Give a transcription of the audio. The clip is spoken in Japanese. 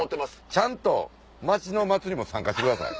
ちゃんと町の祭りも参加してください。